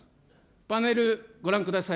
パネルご覧ください。